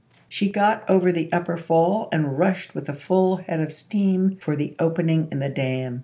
She got over the upper fall and rushed with a full head of steam for the opening in the dam.